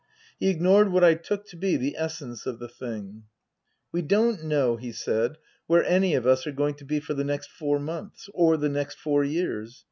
He ignored what I took to be the essence of the thing. " We don't know," he said, " where any of us are going to be for the next four months or the next four years.